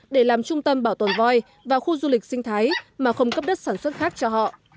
để làm trung tâm bảo tồn voi và khu du lịch sinh thái mà không cấp đất sản xuất khác cho họ